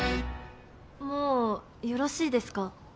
もうよろしいですか？